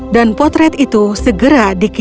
dan potret itu segera dikirim